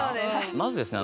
まずですね